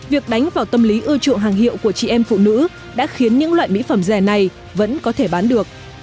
việc đánh vào tâm lý ưa chuộng hàng hiệu của chị em phụ nữ đã khiến những loại mỹ phẩm rẻ này vẫn có thể bán được